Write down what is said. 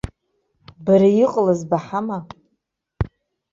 Бара иҟалаз баҳама.